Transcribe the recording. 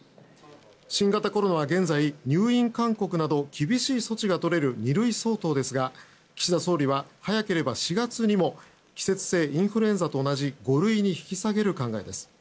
新型コロナは現在入院勧告など厳しい措置が取れる２類相当ですが岸田総理は早ければ４月にも季節性インフルエンザと同じ５類に引き下げる考えです。